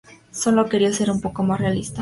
Solo quería ser un poco más realista.